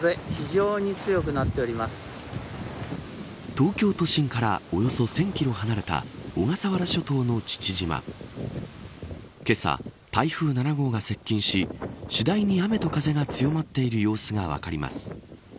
東京都心からおよそ１０００キロ離れた小笠原諸島の父島けさ、台風７号が接近し次第に雨と風が強まっている様子が分かります。